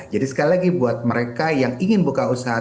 jadi sekali lagi buat mereka yang ingin buka usaha